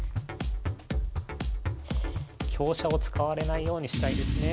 香車を使われないようにしたいですね。